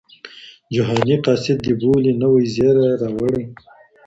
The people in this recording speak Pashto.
جهاني قاصد دي بولي نوی زېری یې راوړی